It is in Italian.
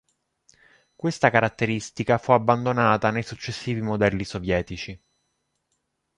Questa caratteristica fu abbandonata nei successivi modelli sovietici.